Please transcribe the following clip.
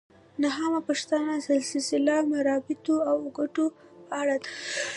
نهمه پوښتنه د سلسله مراتبو او ګټو په اړه ده.